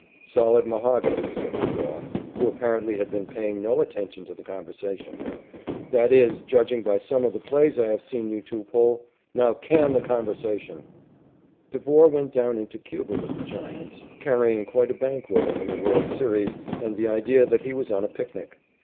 "Solid mahogany," said McGraw, who apparently had been paying no attention to the conversation. "That is, judging by some of the plays I have seen you two pull. Now can the conversation." Devore went down into Cuba with the Giants, carrying quite a bank roll from the world's series, and the idea that he was on a picnic.